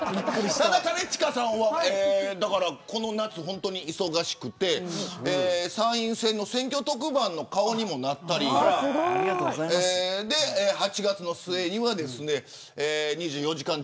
ただ、兼近さんはこの夏、本当に忙しくて参院選の選挙特番の顔にもなったり８月の末には、２４時間。